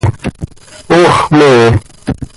Ox mee.